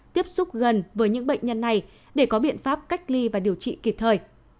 tiếp xúc gần với những bệnh nhân này để có biện pháp cách ly và điều trị kịp thời